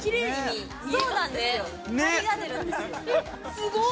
すごい！